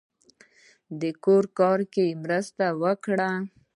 د کور کار کې مرسته وکړئ